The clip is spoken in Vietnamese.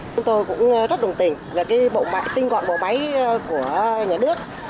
chúng tôi cũng rất đồng tình về cái bộ máy tinh gọn bộ máy của nhà nước